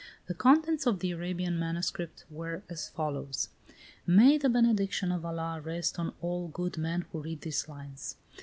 The contents of the Arabian manuscript were as follows: "May the benediction of Allah rest on all good men who read these lines!